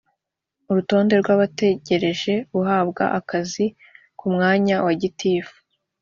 urutonde rw’abategereje guhabwa akazi ku mwanya wa gitifu